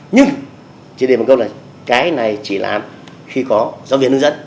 nhưng chỉ để một câu là cái này chỉ làm khi có giáo viên hướng dẫn